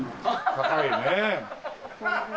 高いねえ。